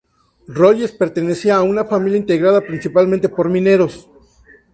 Rogers pertenecía a una familia integrada principalmente por marineros.